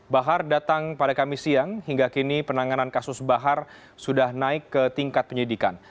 bahar datang pada kamis siang hingga kini penanganan kasus bahar sudah naik ke tingkat penyidikan